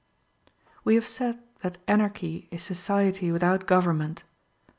We have said that Anarchy is society without government.